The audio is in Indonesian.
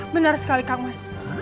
benar sekali kang mas